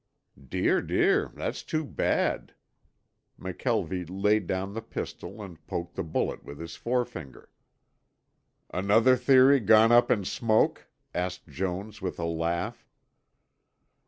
"Dear, dear, that's too bad." McKelvie laid down the pistol and poked the bullet with his forefinger. "Another theory gone up in smoke?" asked Jones, with a laugh.